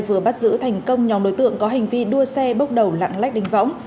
vừa bắt giữ thành công nhóm đối tượng có hành vi đua xe bốc đầu lặng lách đánh võng